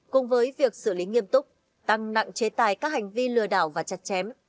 cùng với việc xử lý nghiêm túc tăng nặng chế tài các hành vi lừa đảo và chặt chém